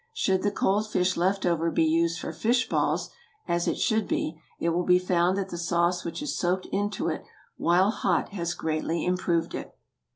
Should the cold fish left over be used for fish balls—as it should be—it will be found that the sauce which has soaked into it while hot has greatly improved it.